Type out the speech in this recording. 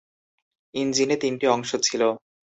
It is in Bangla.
ইঞ্জিনে তিনটি অংশ ছিল।